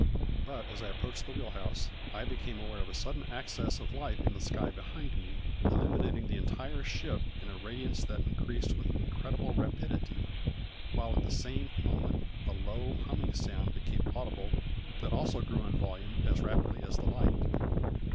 But as I approached the wheel house I became aware of a sudden access of light in the sky behind me, illuminating the entire ship in a radiance that increased with incredible rapidity, while at the same moment a low humming sound became audible that also grew in volume as rapidly as the light.